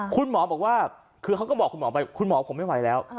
คุณหมอบอกว่าคือเขาก็บอกคุณหมอไปคุณหมอผมไม่ไหวแล้ว